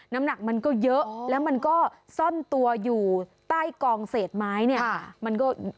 น้ำหนักมันก็เยอะแล้วมันก็ซ่อนตัวอยู่ใต้กองเศษไม้เนี่ย